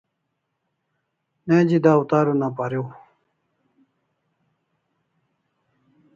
Neji dawtar una pariu